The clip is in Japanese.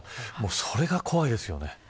それが怖いですよね。